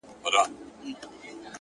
موږه غله نه يوو چي د غلو طرفدارې به کوو’